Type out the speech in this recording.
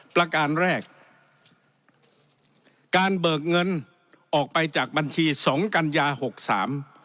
ประการแรกการเบิกเงินออกไปจากบัญชีสองกัญญาหกสาม